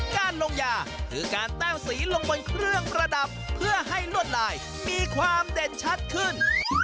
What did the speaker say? การลงยาคือการแต้วสีลงบนเครื่องประดับเพื่อให้ลวดลายมีความเด่นชัดขึ้น